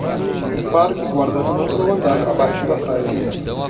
Um par que guarda as mãos ao andar abaixo da praia.